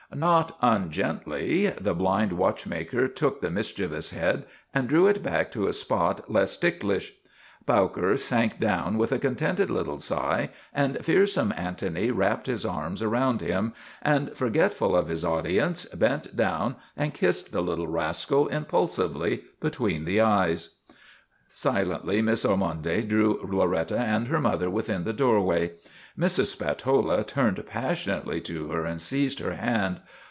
Not ungently the blind watchmaker took the mis chievous head and drew it back to a spot less tick lish. Bowker sank down with a contented little sigh, and fearsome Antony wrapped his arms about him and, forgetful of his audience, bent down and kissed the little rascal impulsively between the eyes. 94 MADNESS OF ANTONY SPATOLA Silently Miss Ormonde drew Loretta and her mother within the doorway. Mrs. Spatola turned passionately to her and seized her hand.